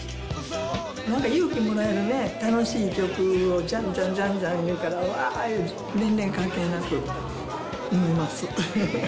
なんか勇気もらえるね、楽しい曲をじゃんじゃんじゃんじゃんいうから、わーって、年齢関係なく、燃えます。